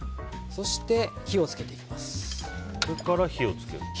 そして、火をつけていきます。